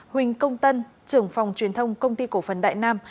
huỳnh công tân trưởng phòng truyền thông công ty cổ phần đại nam